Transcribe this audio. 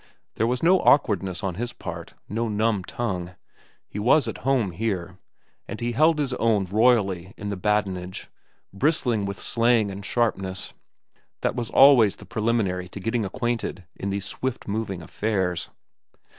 There was no awkwardness on his part, no numb tongue. He was at home here, and he held his own royally in the badinage, bristling with slang and sharpness, that was always the preliminary to getting acquainted in these swift moving affairs.